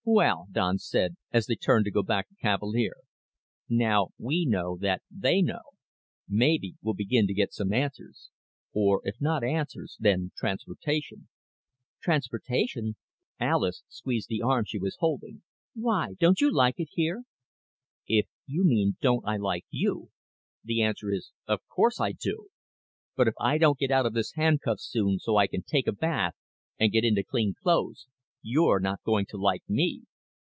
"Well," Don said as they turned to go back to Cavalier, "now we know that they know. Maybe we'll begin to get some answers. Or, if not answers, then transportation." "Transportation?" Alis squeezed the arm she was holding. "Why? Don't you like it here?" "If you mean don't I like you, the answer is yes, of course I do. But if I don't get out of this handcuff soon so I can take a bath and get into clean clothes, you're not going to like me."